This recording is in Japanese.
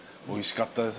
おいしかった。